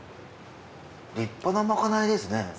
立派なまかないですね。